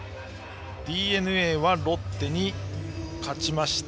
ＤｅＮＡはロッテに勝ちました。